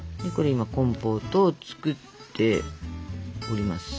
今コンポートを作っております。